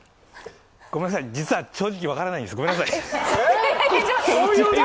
ごめんなさい、実は正直分からないんです、ごめんなさい。